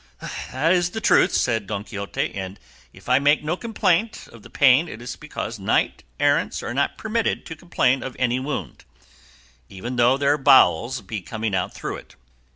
"That is the truth," said Don Quixote, "and if I make no complaint of the pain it is because knights errant are not permitted to complain of any wound, even though their bowels be coming out through it."